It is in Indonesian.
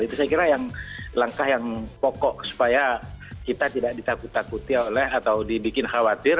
itu saya kira yang langkah yang pokok supaya kita tidak ditakut takuti oleh atau dibikin khawatir